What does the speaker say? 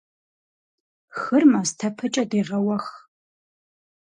Хыр мастэпэкӀэ дегъэуэх.